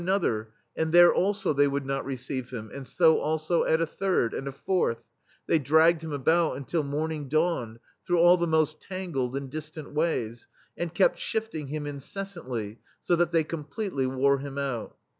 THE STEEL FLEA Other, and there, also, they would not receive him, and so, also, at a third, and a fourth ; they dragged him about until morning dawned, through all the most tangled and distant ways, and kept shifting him incessantly, so that they completely wore him out.